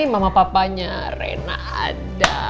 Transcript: mama papanya rena ada